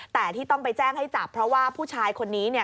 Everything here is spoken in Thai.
แต่ที่ต้องไปแจ้งให้จับเพราะว่าผู้ชายคนนี้เนี่ย